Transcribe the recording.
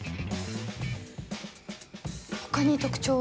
他に特徴は？